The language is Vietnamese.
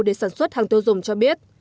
để sản xuất hàng tiêu dùng cho biết